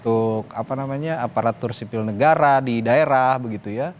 untuk apa namanya aparatur sipil negara di daerah begitu ya